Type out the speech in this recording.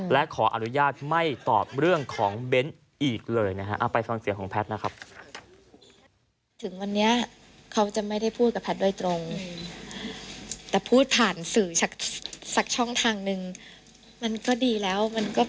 และขออนุญาตไม่ตอบเรื่องของเบ้นอีกเลยนะครับ